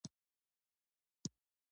هغوی په ټاکلې ورځ هغسی وکړل.